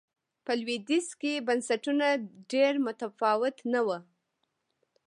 په لوېدیځ کې بنسټونه ډېر متفاوت نه و.